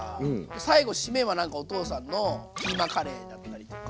最後シメはなんかお父さんのキーマカレーだったりとか。